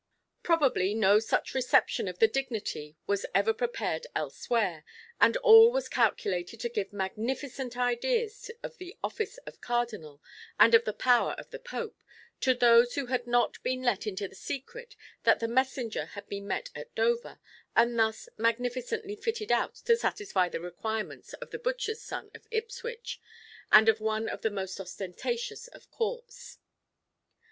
Probably no such reception of the dignity was ever prepared elsewhere, and all was calculated to give magnificent ideas of the office of Cardinal and of the power of the Pope to those who had not been let into the secret that the messenger had been met at Dover; and thus magnificently fitted out to satisfy the requirements of the butcher's son of Ipswich, and of one of the most ostentatious of courts.